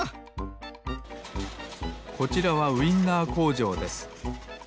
こちらはウインナーこうじょうです。